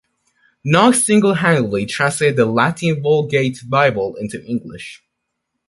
Knox singlehandedly translated the Latin Vulgate Bible into English.